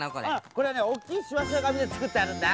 これはねおっきいしわしわがみでつくってあるんだ。